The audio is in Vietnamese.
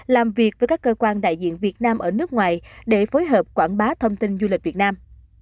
làm việc với các cơ quan đại diện việt nam ở nước ngoài để phối hợp quảng bá thông tin du lịch việt nam